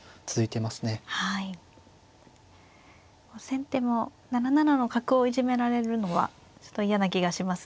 先手も７七の角をいじめられるのはちょっと嫌な気がしますね。